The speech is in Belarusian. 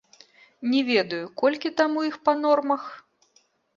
Не ведаю, колькі там у іх па нормах.